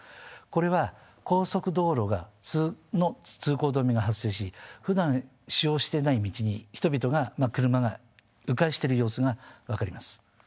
これは高速道路の通行止めが発生しふだん使用してない道に人々がまあ車がう回してる様子が分かります。